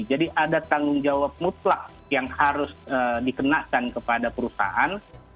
jadi ada tanggung jawab mutlak yang harus dikenakan kepada perusahaan